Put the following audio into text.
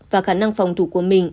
và khả năng phòng thủ của mình